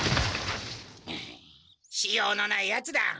しようのないヤツだ。